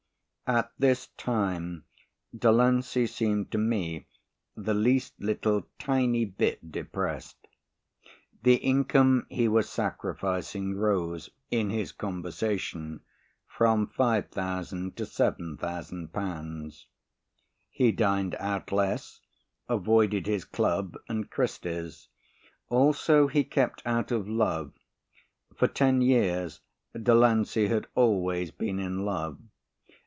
At this time Delancey seemed to me the least little tiny bit depressed. The income he was sacrificing rose (in his conversation) from 5,000 to 7,000 pounds. He dined out less, avoided his club and Christie's. Also, he kept out of love. For ten years, Delancey had always been in love.